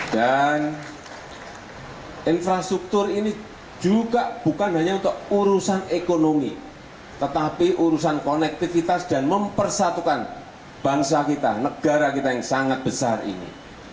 dan infrastruktur ini juga bukan hanya untuk urusan ekonomi tetapi urusan konektivitas dan mempersatukan bangsa kita negara kita yang sangat besar ini